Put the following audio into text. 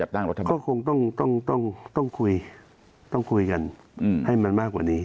ต้องคุยกันให้มันมากกว่านี้